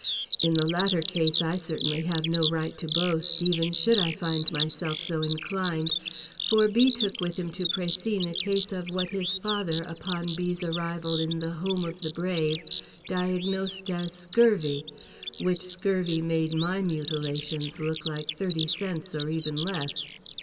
In the latter case I certainly have no right to boast, even should I find myself so inclined; for B. took with him to Précigne a case of what his father, upon B.'s arrival in The Home of The Brave, diagnosed as scurvy—which scurvy made my mutilations look like thirty cents or even less.